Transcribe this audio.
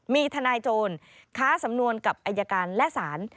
มีทนายโจรค้าสำนวนกับอายการและศาล